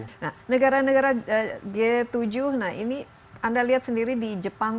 nah negara negara g tujuh nah ini anda lihat sendiri di jepang